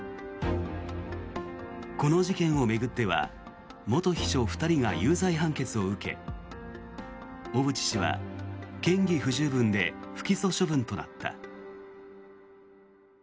この事件を巡っては元秘書２人が有罪判決を受け小渕氏は嫌疑不十分で不起訴処分となった。